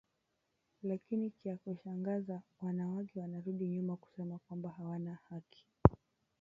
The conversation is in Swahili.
Lakini kya ku shangaza wana wake wana rudi nyuma kusema kwamba hawana na haki